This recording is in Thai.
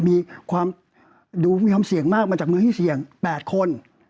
มีความดูมีความเสี่ยงมากมาจากมือที่เสี่ยง๘คน